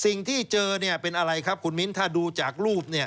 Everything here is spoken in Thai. สิ่งที่เจอเป็นอะไรครับคุณมิ้นถ้าดูจากรูป